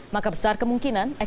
maka besar kemungkinan